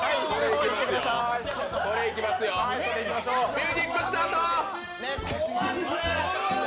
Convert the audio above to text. ミュージック、スタート！